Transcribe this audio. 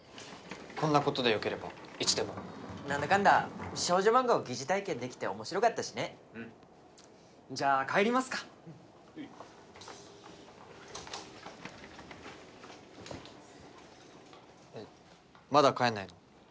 こんなことでよければいつでもなんだかんだ少女漫画を疑似体験できて面白かったしねうんじゃあ帰りますかまだ帰んないの？